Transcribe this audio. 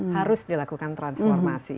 harus dilakukan transformasi